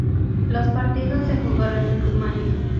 Los partidos se jugaron en Rumania.